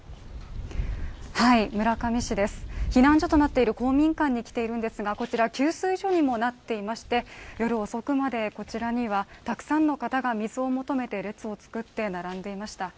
村上市です、避難所となっている公民館に来ているんですが、こちら、給水所にもなっていまして夜遅くまでこちらにはたくさんの方が水を求めて列を作って並んでいました。